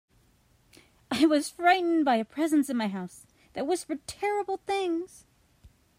I was frightened by a presence in my house that whispered terrible things.